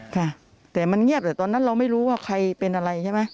ค่ะแต่มันเงียบแต่ตอนนั้นเราไม่รู้ว่าใครเป็นอะไรใช่ไหม